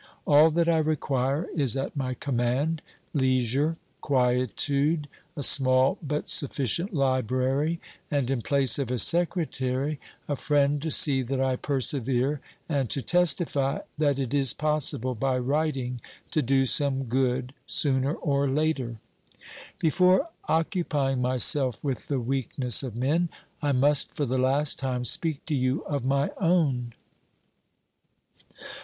All that I require is at my command — leisure, quietude, a small but sufficient library, and, in place of a secretary, a friend to see that I persevere and to testify that it is possible by writing to do some good sooner or later. Before occupying myself with the weakness of men, I must for the last time speak to you of my own.